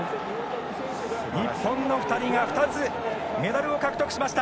日本の２人が２つメダルを獲得しました。